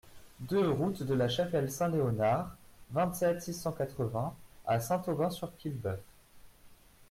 deux route de la Chapelle Saint-Léonard, vingt-sept, six cent quatre-vingts à Saint-Aubin-sur-Quillebeuf